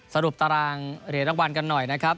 สรุปตารางเหรียญรางวัลกันหน่อยนะครับ